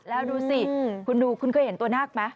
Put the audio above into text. แล้วดูสิคุณดูคุณเคยเห็นตัวนาคไหม